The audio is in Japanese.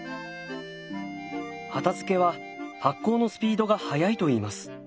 畑漬は発酵のスピードが速いといいます。